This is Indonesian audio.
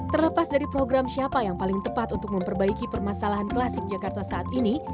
terlepas dari program siapa yang paling tepat untuk memperbaiki permasalahan klasik jakarta saat ini